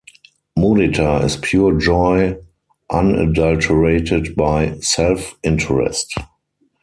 Mudita is a pure joy unadulterated by self-interest.